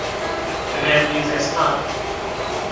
قرقیزستان